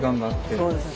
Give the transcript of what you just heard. そうですね